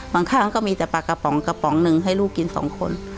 ข้างก็มีแต่ปลากระป๋องกระป๋องหนึ่งให้ลูกกินสองคน